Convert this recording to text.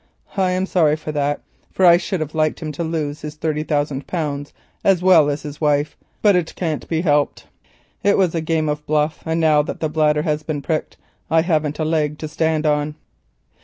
I am sorry, for I should have liked him to lose his thirty thousand pounds as well as his wife, but it can't be helped. It was a game of bluff, and now that the bladder has been pricked I haven't a leg to stand on."